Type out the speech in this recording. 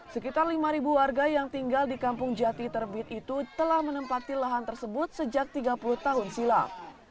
sekitar lima warga yang tinggal di kampung jati terbit itu telah menempati lahan tersebut sejak tiga puluh tahun silam